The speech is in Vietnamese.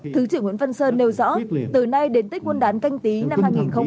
thứ trưởng nguyễn văn sơn nêu rõ từ nay đến tết nguyên đán canh tí năm hai nghìn hai mươi